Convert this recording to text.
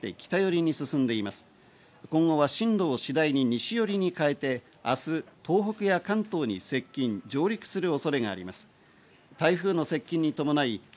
今後は進路を次第に西寄りにかえて、明日東北や関東に接近、上陸する恐れがあります。